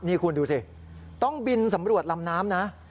นี่คุณดูสิต้องบินสำรวจลำน้ำนะ